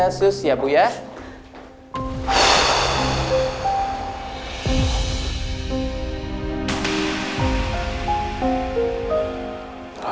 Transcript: terima kasih ya sus ya bu ya